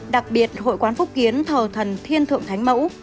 đặc biệt hội quán phúc kiến thờ thần thiên thượng thánh mẫu